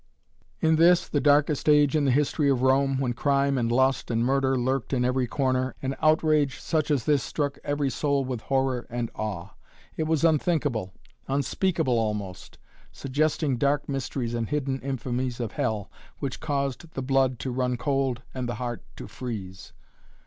In this, the darkest age in the history of Rome, when crime and lust and murder lurked in every corner, an outrage such as this struck every soul with horror and awe. It was unthinkable, unspeakable almost, suggesting dark mysteries and hidden infamies of Hell, which caused the blood to run cold and the heart to freeze.